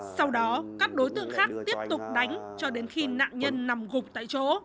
sau đó các đối tượng khác tiếp tục đánh cho đến khi nạn nhân nằm gục tại chỗ